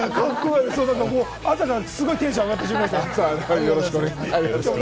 朝からすごいテンション上がってしまいました。